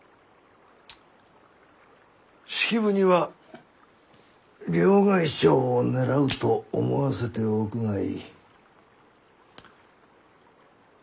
式部には両替商を狙うと思わせておくがいい。